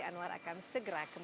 karena kita harus memastikan